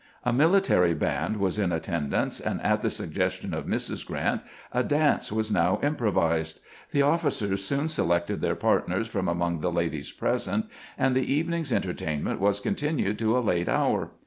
A military band was in attendance, and at the suggestion of Mrs. Grant a dance was now improvised. The offi cers soon selected their partners from among the ladies present, and the evening's entertainment was continued to a late hour.